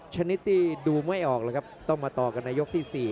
ชนิตตีดูไม่ออกเลยครับต้องมาต่อกันในยกที่สี่